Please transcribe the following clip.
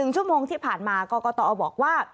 ชั่วโมงที่ผ่านมากรกตบอกว่า